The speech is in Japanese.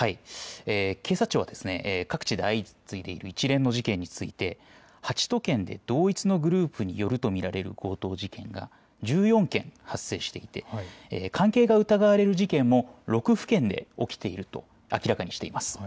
警察庁は各地で相次いでいる一連の事件について８都県で同一のグループによると見られる強盗事件が１４件発生していて関係が疑われる事件も６府県で起きていると明らかにしています。